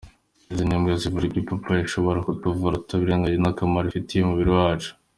Izo ni indwara zivurwa ipapayi ishobora kutuvura tutirengagije n’akamaro ifitiye umubiri wacu.